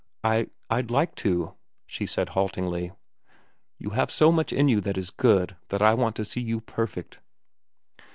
"I—I'd like to," she said haltingly. "You have so much in you that is good that I want to see you perfect."